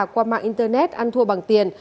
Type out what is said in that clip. qua mạng internet ăn thua bằng tiền